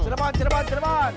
serempat serempat serempat